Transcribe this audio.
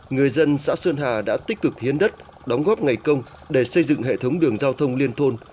người dân xã sơn hà đã tích cực hiến đất đóng góp ngày công để xây dựng hệ thống đường giao thông liên thôn